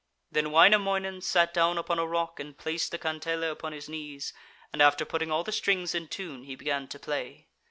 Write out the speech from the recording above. Then Wainamoinen sat down upon a rock and placed the kantele upon his knees, and after putting all the strings in tune he began to play.